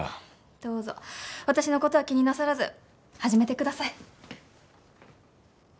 どうぞ私の事は気になさらず始めてください。